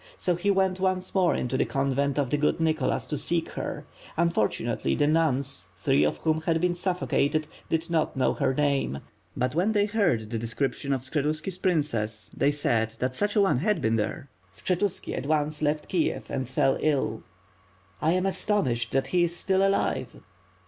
So he went once more into the convent of the good Nicholas to seek her. Unfortunately, the nuns, three of whom had been suffocated, did not know her name; but, when they heard the description of Skshetuski's princess, they said that such a one had been there. Skshetuski at once left Kiev and fell ill." "I am astonished that he is still alive."